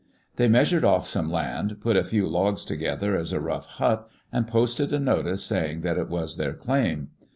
They measured ofiF some land, put a few logs together as a rough hut, and posted a notice saying that it was their claim.